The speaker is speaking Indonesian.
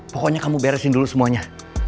pokoknya kamu beresin dulu semuanya